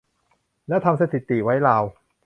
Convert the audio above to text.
และทำสถิติไว้ราว